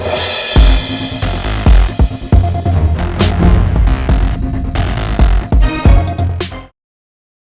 sampai jumpa di video selanjutnya